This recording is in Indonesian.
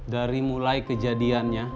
dari mulai kejadiannya